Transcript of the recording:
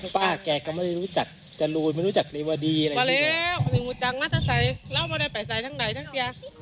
ป้าแกก็ไม่ได้รู้จักจรูนไม่รู้จักเรวดีอะไรอย่างนี้